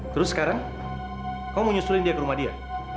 terus sekarang kau mau nyusulin dia ke rumah dia